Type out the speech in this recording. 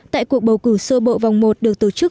tại cuộc bầu cử sơ bộ vòng một được tổ chức